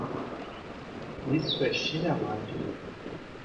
Isso é chinelagem...